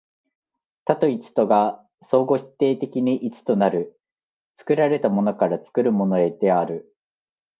多と一とが相互否定的に一となる、作られたものから作るものへである。